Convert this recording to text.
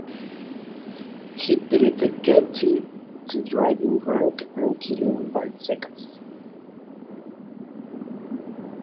He pleaded guilty to driving drunk and killing Balzekas.